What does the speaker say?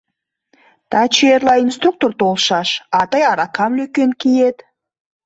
Таче-эрла инструктор толшаш, а тый аракам лӧкен киет...